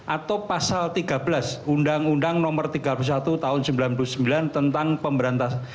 atau pasal tiga belas undang undang nomor tiga puluh satu tahun seribu sembilan ratus sembilan puluh sembilan tentang pemberantasan